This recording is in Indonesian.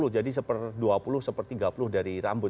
jadi satu per dua puluh satu per tiga puluh dari rambut